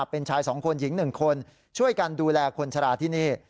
เป็นชาย๒คนหญิง๑คนช่วยกันดูแลคนชะลาที่นี่